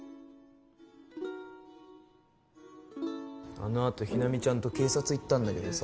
あのあと日菜美ちゃんと警察行ったんだけどさ。